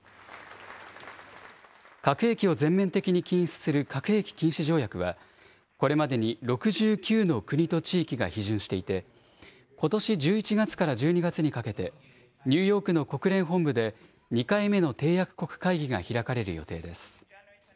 核兵器を全面的に禁止する核兵器禁止条約は、これまでに６９の国と地域が批准していて、ことし１１月から１２月にかけて、ニューヨークの国連本部で２回目の締約国会議が開かれる予定です。